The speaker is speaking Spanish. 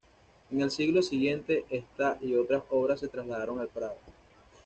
En el siglo siguiente, esta y otras obras se trasladaron al Prado.